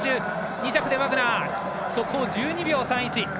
２着でワグナー速報、１２秒３１。